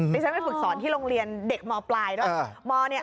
พี่เซ็นมาฝึกสอนที่โรงเรียนเด็กมปลายด้วย